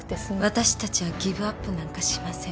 私たちはギブアップなんかしません。